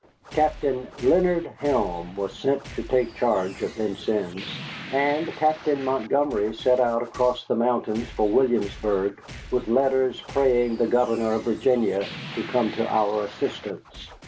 Captain Leonard Helm was sent to take charge of Vincennes, and Captain Montgomery set out across the mountains for Williamsburg with letters praying the governor of Virginia to come to our assistance.